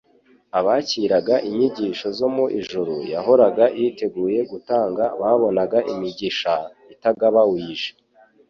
Abakiraga inyigisho zo mu ijuru yahoraga yiteguye gutanga babonaga imigisha, itagabauije.